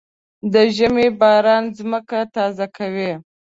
د ژمي باران ځمکه تازه کوي.